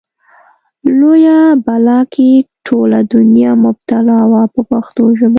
لویه بلا کې ټوله دنیا مبتلا وه په پښتو ژبه.